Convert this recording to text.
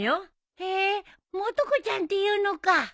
へえもと子ちゃんっていうのか。